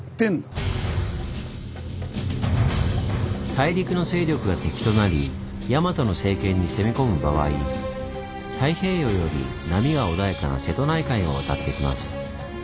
大陸の勢力が敵となり大和の政権に攻め込む場合太平洋より波が穏やかな瀬戸内海を渡ってきます。